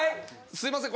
すいません